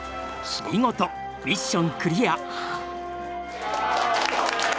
見事ミッションクリア。